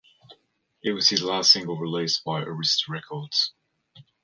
It was his last single released by Arista Records.